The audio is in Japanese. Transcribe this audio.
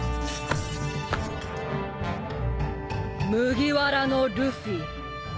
麦わらのルフィ。